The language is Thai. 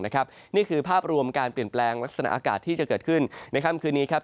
นี่คือภาพรวมการเปลี่ยนแปลงลักษณะอากาศที่จะเกิดขึ้นในค่ำคืนนี้ครับ